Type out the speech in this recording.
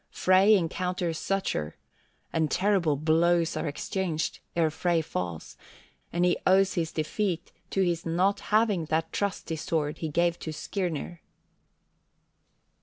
Frey encounters Surtur, and terrible blows are exchanged ere Frey falls; and he owes his defeat to his not having that trusty sword he gave to Skirnir.